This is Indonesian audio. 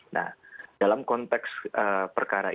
nah dalam konteks perkara ini